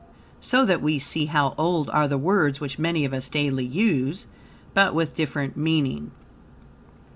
So that we see how old are the words which many of us daily use, but with different meaning.